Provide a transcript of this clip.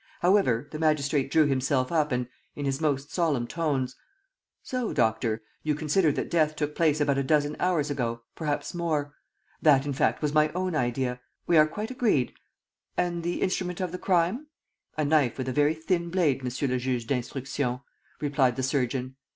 However, the magistrate drew himself up and, in his most solemn tones: "So, doctor, you consider that death took place about a dozen hours ago, perhaps more! ... That, in fact, was my own idea. ... We are quite agreed. ... And the instrument of the crime?" "A knife with a very thin blade, Monsieur le Juge d'Instruction," replied the surgeon.